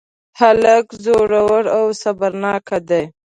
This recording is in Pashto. هلک زړور او صبرناک دی.